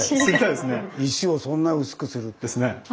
石をそんな薄くするって。